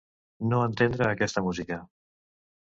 No entendre aquesta música.